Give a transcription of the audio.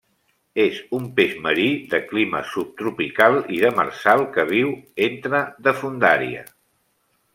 És un peix marí, de clima subtropical i demersal que viu entre de fondària.